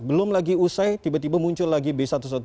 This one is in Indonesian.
belum lagi usai tiba tiba muncul lagi b satu satu tujuh